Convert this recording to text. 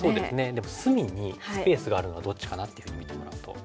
でも隅にスペースがあるのはどっちかなってふうに見てもらうと。